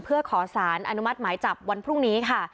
เพื่อขอสารอนุมัติหมายจับวันพรุ่งนี้ค่ะ